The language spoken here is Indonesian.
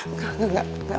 enggak enggak enggak